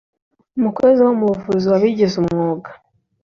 umukozi wo mu buvuzi wabigize umwuga